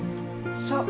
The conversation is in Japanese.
そう。